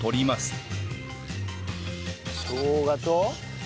しょうがと。